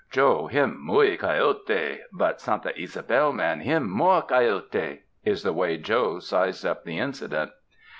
'Joe, him mity coyote, but Santa Ysabel man him more coyote/ is the way Joe sized up the incident."